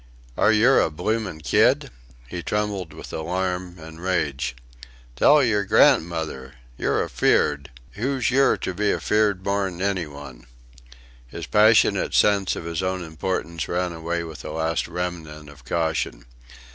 Are yer a bloomin' kid?" He trembled with alarm and rage, "Tell yer gran'mother! Yer afeard! Who's yer ter be afeard more'n any one?" His passionate sense of his own importance ran away with a last remnant of caution.